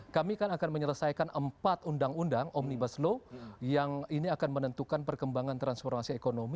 kami akan menyelesaikan empat undang undang omnibus law yang ini akan menentukan perkembangan transformasi ekonomi